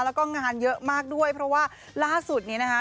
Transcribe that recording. แล้วก็งานเยอะมากด้วยเพราะว่าล่าสุดนี้นะคะ